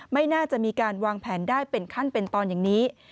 ไม่น่าจะมีการวางแผนได้เป็นขั้นเป็นตอนอย่างนี้